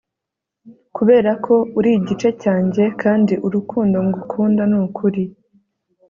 Kuberako uri igice cyanjye kandi urukundo ngukunda nukuri